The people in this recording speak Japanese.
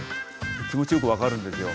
気持ちよく分かるんですよ。